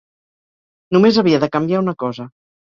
Només havia de canviar una cosa.